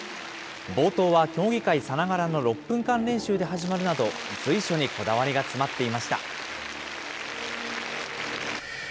冒頭は競技会さながらの６分間練習で始まるなど、随所にこだわりが詰まっていました。